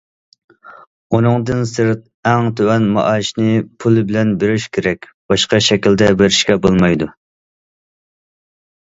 ئۇنىڭدىن سىرت، ئەڭ تۆۋەن مائاشنى پۇل بىلەن بېرىش كېرەك، باشقا شەكىلدە بېرىشكە بولمايدۇ.